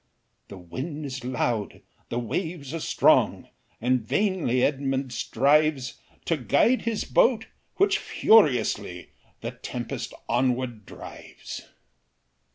The wind is loud, the waves are strong, And vainly Edmund strives To guide his boat, which furiously The tempest onward drives.